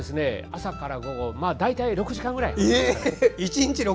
朝から午後大体６時間ぐらい。